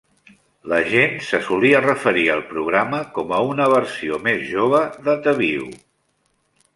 La gent se solia referir al programa com a una "versió més jove" de "The View".